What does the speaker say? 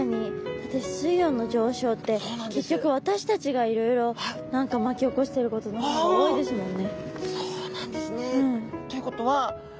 だって水温の上昇って結局私たちがいろいろ何か巻き起こしてることの方が多いですもんね。